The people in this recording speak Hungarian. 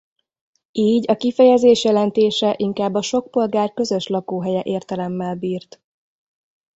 Így a kifejezés jelentése inkább a sok polgár közös lakóhelye értelemmel bírt.